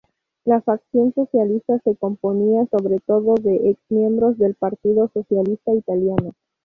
La facción socialista se componía sobre todo de ex-miembros del Partido Socialista Italiano.